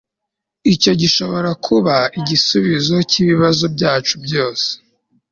Icyo gishobora kuba igisubizo cyibibazo byacu byose